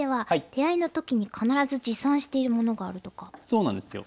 そうなんですよ。